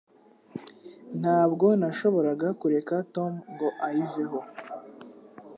Ntabwo nashoboraga kureka Tom ngo ayiveho